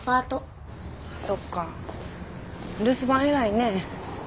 そっか留守番偉いねえ。